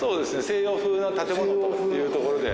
西洋風な建物とかっていうところで。